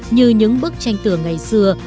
như những bức tranh tường ngày xưa